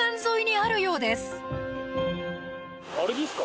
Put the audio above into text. あれですか？